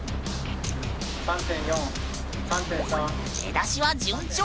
出だしは順調！